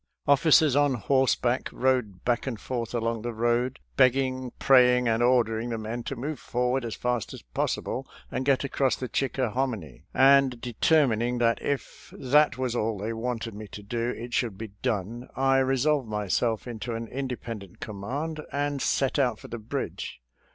Officers on horseback rode back and forth along the road begging, praying, and ordering the men to move forward as fast as pos sible and get across the Chickahominy, and de termining that if that was all they wanted me to do, it should be done, I resolved myself into an independent command and set out for the bridge.